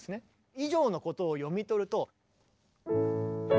以上のことを読み取ると。